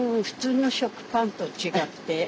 普通の食パンと違って。